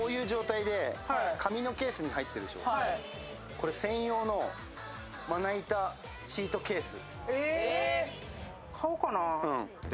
これ、専用のまな板シートケース。